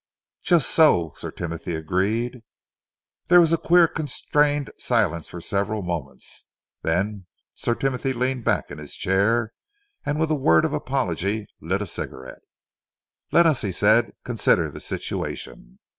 "Just so," Sir Timothy agreed. There was a queer constrained silence for several moments. Then Sir Timothy leaned back in his chair and with a word of apology lit a cigarette. "Let us," he said, "consider the situation.